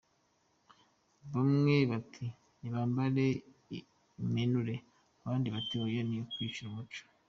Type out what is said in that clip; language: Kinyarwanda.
Bamwe bati nibambare impenure abandi bati oya ni ukwica umuco.